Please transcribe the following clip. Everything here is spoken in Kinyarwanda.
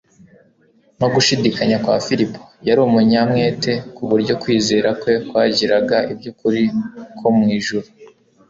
no gushidikanya kwa Filipo. Yari umunyamwete ku buryo kwizera kwe kwakiraga iby'ukuri ko mu ijuru.